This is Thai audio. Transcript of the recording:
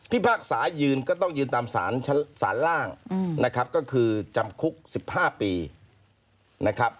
พากษายืนก็ต้องยืนตามสารล่างนะครับก็คือจำคุก๑๕ปีนะครับ